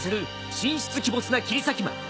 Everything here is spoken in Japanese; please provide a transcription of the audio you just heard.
神出鬼没な切り裂き魔。